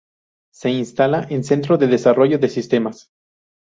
Se instala en Centro de Desarrollo de Sistemas.